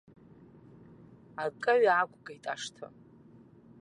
Акеҩ аақәгеит ашҭа.